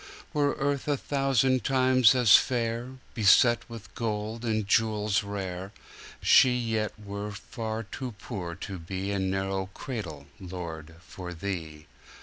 Were earth a thousand times as fair, Beset with gold and jewels rare, She yet were far too poor to beA narrow cradle, Lord, for Thee.